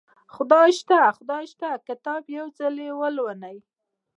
خدای شته خدای شته کتاب یو ځل ولولئ